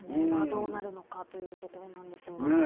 どうなるのかということなんですが。